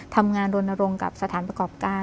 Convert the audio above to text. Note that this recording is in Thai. ทำงานรณรงค์กับสถานประกอบการ